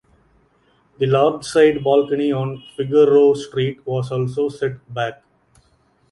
The large side balcony on Figueroa Street was also set back.